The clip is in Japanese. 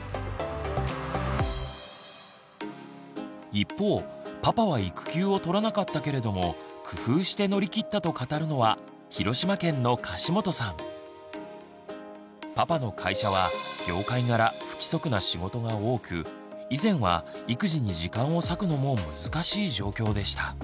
一方パパは育休を取らなかったけれども工夫して乗り切ったと語るのはパパの会社は業界柄不規則な仕事が多く以前は育児に時間を割くのも難しい状況でした。